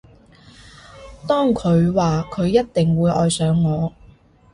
當佢話佢一定會愛上我